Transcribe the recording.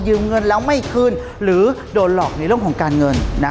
ยืมเงินแล้วไม่คลือโดนหลอกในร่วมของการเงินนะ